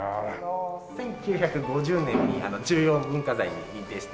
１９５０年に重要文化財に認定して頂いて。